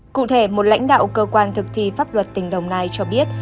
cụ thể một lãnh đạo cơ quan thực thi pháp luật tỉnh đồng nai cho biết